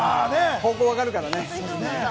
方向分かるからね。